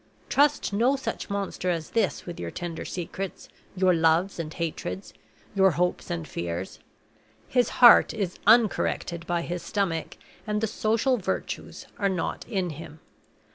Trust no such monster as this with your tender secrets, your loves and hatreds, your hopes and fears. His heart is uncorrected by his stomach, and the social virtues are not in him.